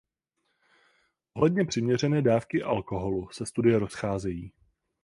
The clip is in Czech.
Ohledně přiměřené dávky alkoholu se studie rozcházejí.